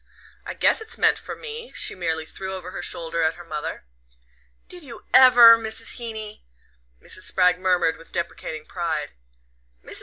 "I guess it's meant for me," she merely threw over her shoulder at her mother. "Did you EVER, Mrs. Heeny?" Mrs. Spragg murmured with deprecating pride. Mrs.